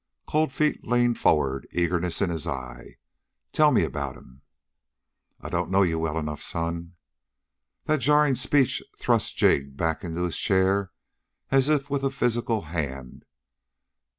Cold Feet leaned forward, eagerness in his eyes. "Tell me about him!" "I don't know you well enough, son." That jarring speech thrust Jig back into his chair, as if with a physical hand.